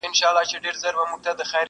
o په پردي پرتاگه ځان نه پټېږي٫